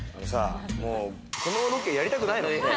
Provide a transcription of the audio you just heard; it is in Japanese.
このロケやりたくないの？